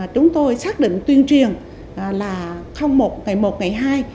chúng tôi xác định tuyên truyền là không một ngày một ngày hai